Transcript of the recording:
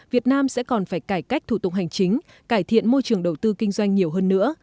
việt nam sẽ còn phải cải cách thủ tục hành chính cải thiện môi trường đầu tư kinh doanh nhiều hơn nữa